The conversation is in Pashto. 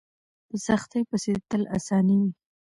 په سختۍ پسې تل اساني وي.